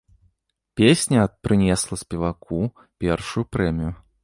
Песня прынесла спеваку першую прэмію.